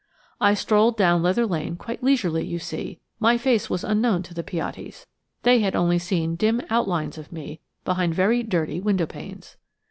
I strolled down Leather Lane quite leisurely; you see, my face was unknown to the Piattis. They had only seen dim outlines of me behind very dirty window panes.